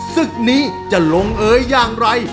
ศึกนี้จะลงเอยอย่างไร